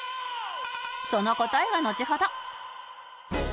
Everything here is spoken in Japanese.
その答えはのちほど